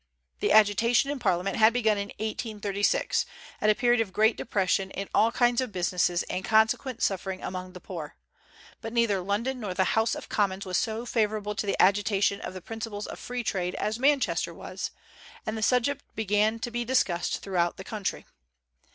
The agitation in Parliament had begun in 1836, at a period of great depression in all kinds of business and consequent suffering among the poor; but neither London nor the House of Commons was so favorable to the agitation of the principles of free trade as Manchester was, and the subject began to be discussed throughout the country.